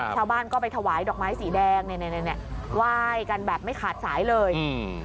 ชาวบ้านก็ไปถวายดอกไม้สีแดงเนี่ยไหว้กันแบบไม่ขาดสายเลยอืม